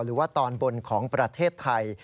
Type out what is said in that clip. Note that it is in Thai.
หรือว่าตอนบนของประเทศไทย